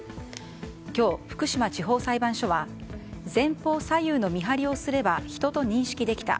今日、福島地方裁判所は前方左右の見張りをすれば人と認識できた。